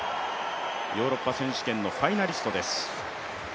ヨーロッパ選手権のファイナリストです。